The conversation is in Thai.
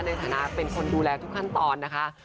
ในฐานะเป็นคนดูแลทุกขั้นตอนนะคะ